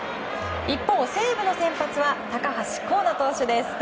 一方、西武の先発は高橋光成投手。